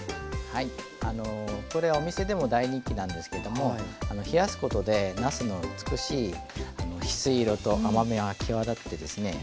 これお店でも大人気なんですけども冷やすことでなすの美しいひすい色と甘みが際立ってですね